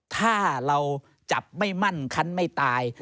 ถ้าเราจับไม่มั่นคันไม่ตาย